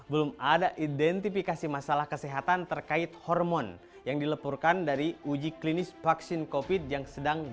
belum ada identifikasi masalah kesehatan terkait hormon yang dilepurkan dari uji klinis vaksin covid yang sedang dilakukan